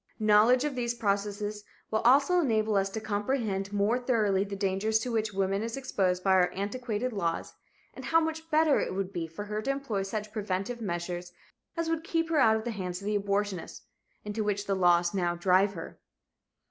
Knowledge of these processes will also enable us to comprehend more thoroughly the dangers to which woman is exposed by our antiquated laws, and how much better it would be for her to employ such preventive measures as would keep her out of the hands of the abortionist, into which the laws now drive her.